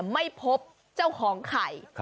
ไม่พบเจ้าของไข่